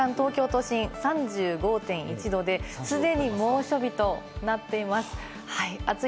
この時間、東京都心は３５．１度で既に猛暑日となっています。